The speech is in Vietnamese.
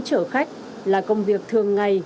chở khách là công việc thường ngày